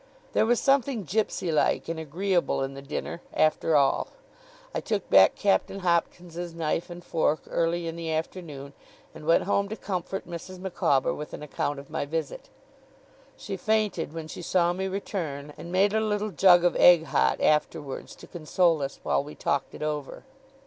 There was something gipsy like and agreeable in the dinner, after all. I took back Captain Hopkins's knife and fork early in the afternoon, and went home to comfort Mrs. Micawber with an account of my visit. She fainted when she saw me return, and made a little jug of egg hot afterwards to console us while we talked it over.